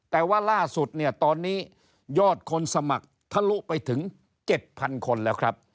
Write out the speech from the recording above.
แต่ว่าล่าสุดเนี่ยตอนนี้ยอดคนสมัครทะลุไปถึง๗๐๐คนแล้วครับ